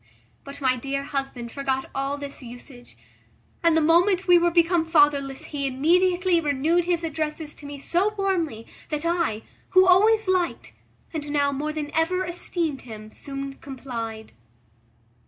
But my dear husband forgot all this usage, and the moment we were become fatherless he immediately renewed his addresses to me so warmly, that I, who always liked, and now more than ever esteemed him, soon complied.